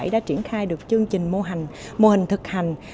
đã triển khai được chương trình mô hình thực hành